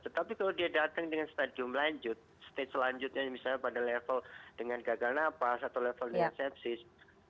tetapi kalau dia datang dengan stadium lanjut stage selanjutnya misalnya pada level dengan gagal nafas atau level dengan sepsis